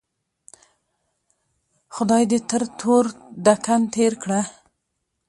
خدای دې تر تور دکن تېر کړه.